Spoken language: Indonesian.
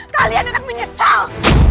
kalian akan menyesal